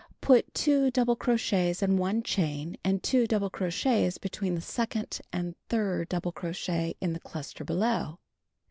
Put 2 double crochets and 1 chain and 2 double crochets between the second and third double crochet in the cluster below.